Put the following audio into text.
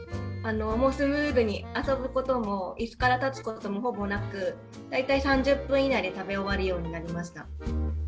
もうスムーズに遊ぶこともいすから立つこともほぼなく大体３０分以内で食べ終わるようになりました。